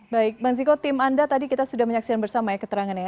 baik bang ziko tim anda tadi kita sudah menyaksikan bersama ya keterangannya